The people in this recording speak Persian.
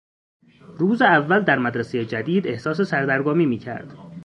روز اول در مدرسهی جدید احساس سردرگمی میکرد.